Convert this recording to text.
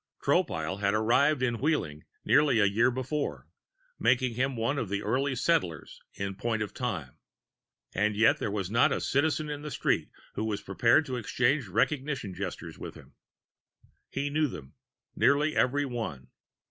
Tropile had arrived in Wheeling nearly a year before, making him one of the early settlers in point of time. And yet there was not a Citizen in the street who was prepared to exchange recognition gestures with him. He knew them, nearly every one.